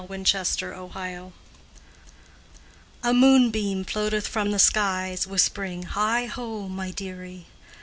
ORKNEY LULLABY A moonbeam floateth from the skies, Whispering, "Heigho, my dearie!